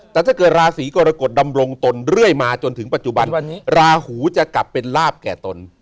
แต่ถ้าเกิดราศีกรกฎดำรงตนเรื่อยมาจนถึงปัจจุบันราหูจะกลับเป็นลาบแก่ตน